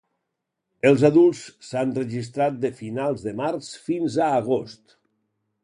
Els adults s'han registrat de finals de març fins a agost.